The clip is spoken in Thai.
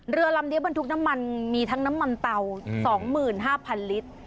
เรือลำนี้บนทุกน้ำมันมีทั้งน้ำมันเตาสองหมื่นห้าพันลิตร